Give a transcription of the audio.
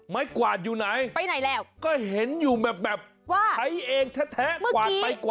เมื่อกี้